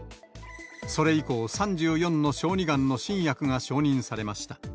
それ以降、３４の小児がんの新薬が承認されました。